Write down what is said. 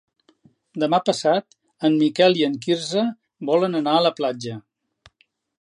Demà passat en Miquel i en Quirze volen anar a la platja.